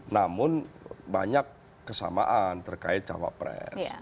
namun banyak kesamaan terkait cawapres